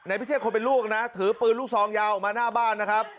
พิเชษคนเป็นลูกนะถือปืนลูกซองยาวออกมาหน้าบ้านนะครับ